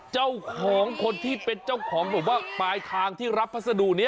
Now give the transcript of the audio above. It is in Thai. เจ้าของคนที่เป็นเจ้าของแบบว่าปลายทางที่รับพัสดุนี้